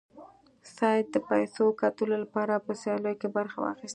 سید د پیسو ګټلو لپاره په سیالیو کې برخه واخیسته.